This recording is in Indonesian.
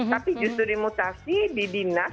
tapi justru dimutasi di dinas